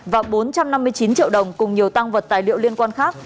và bốn trăm năm mươi chín triệu đồng cùng nhiều tăng vật tài liệu liên quan khác